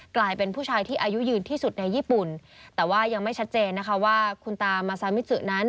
กลายเป็นผู้ชายที่อายุยืนที่สุดในญี่ปุ่นแต่ว่ายังไม่ชัดเจนนะคะว่าคุณตามาซามิจุนั้น